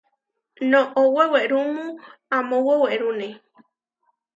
Noʼó wewerúmu amó wewerúne.